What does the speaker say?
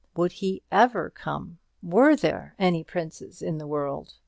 Would he ever come? Were there any princes in the world?